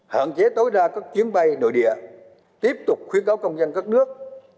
hạn chế tối đa các chuyến bay nội địa tiếp tục khuyến cáo công dân các nước